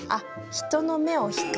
「人の目を引く」。